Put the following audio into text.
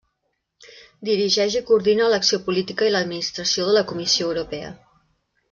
Dirigeix i coordina l'acció política i l'administració de la Comissió Europea.